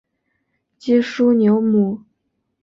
基舒纽姆。